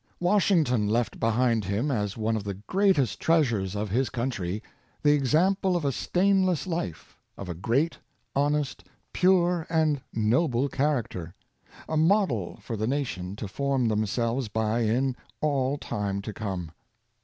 Washington left behind him, as one of the greatest treasures of his country, the example of a stainless life — of a great, honest, pure and nobie character — a model for the nation to form themselves by in all time to come.